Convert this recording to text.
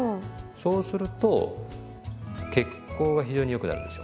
そうすると血行が非常によくなるんですよ。